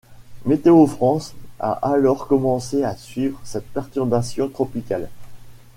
Météo-France a alors commencé à suivre cette perturbation tropicale.